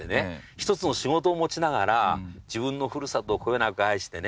１つの仕事を持ちながら自分のふるさとをこよなく愛してね